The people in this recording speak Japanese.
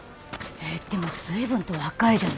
えっでも随分と若いじゃない。